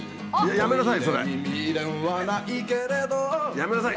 やめなさい！